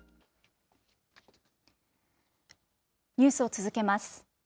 ニュースを続けます。